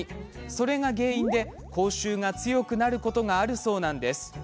それが原因で口臭が強くなることがあるそうなんです。